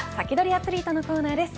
アツリートのコーナーです。